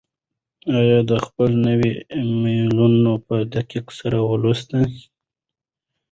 آیا ده خپل نوي ایمیلونه په دقت سره ولوستل؟